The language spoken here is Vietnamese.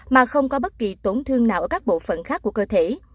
mà không có bất kỳ tổn thương nào ở các bộ phận khác của cơ thể